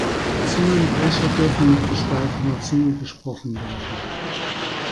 Zungenbrecher dürfen mit gespaltener Zunge gesprochen werden.